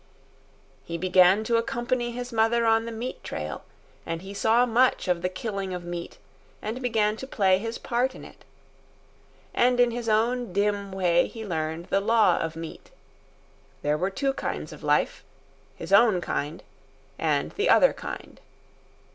He began to accompany his mother on the meat trail, and he saw much of the killing of meat and began to play his part in it. And in his own dim way he learned the law of meat. There were two kinds of life—his own kind and the other kind.